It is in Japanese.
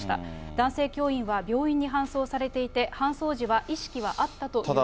男性教員は病院に搬送されていて、搬送時は意識はあったということです。